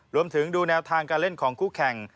ดูแนวทางการเล่นของคู่แข่ง